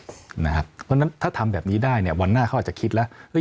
เพราะฉะนั้นถ้าทำแบบนี้ได้วันหน้าเขาอาจจะคิดแล้ว